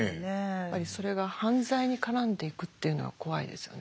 やっぱりそれが犯罪に絡んでいくというのが怖いですよね。